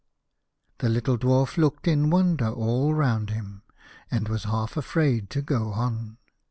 The little Dwarf looked in wonder all round him, and was half afraid to go on.